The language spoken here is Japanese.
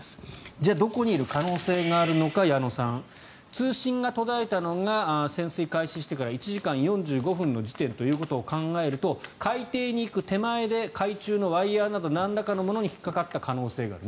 じゃあどこにいる可能性があるのか矢野さん通信が途絶えたのが潜水開始してから１時間４５分の時点ということを考えると海底に行く手前で海中のワイヤなどなんらかのものに引っかかった可能性がある。